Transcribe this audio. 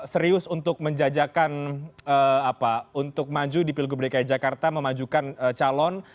serius untuk menjajakan untuk maju di pilgub dki jakarta memajukan calon